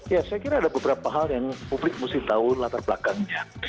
ya saya kira ada beberapa hal yang publik mesti tahu latar belakangnya